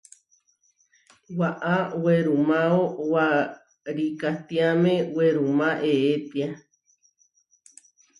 Waʼá werumáo warikátiame werumá eʼétia.